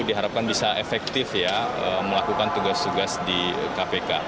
jadi diharapkan bisa efektif ya melakukan tugas tugas di kpk